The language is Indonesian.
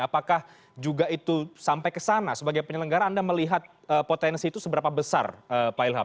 apakah juga itu sampai ke sana sebagai penyelenggara anda melihat potensi itu seberapa besar pak ilham